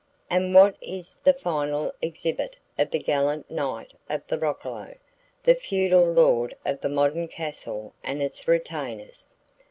And what is the final exhibit of the gallant knight of the roccolo, the feudal lord of the modern castle and its retainers?